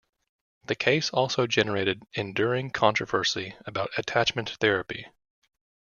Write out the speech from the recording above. The case also generated enduring controversy about attachment therapy.